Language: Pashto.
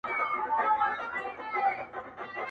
د موټرانو له ټيپو څخه اورېدل کېدل.